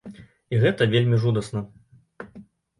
І гэта вельмі жудасна.